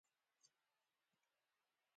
کله چې یو حج د سیالۍ یا بلې موخې لپاره ترسره شي.